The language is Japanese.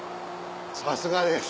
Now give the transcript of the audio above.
さすがです。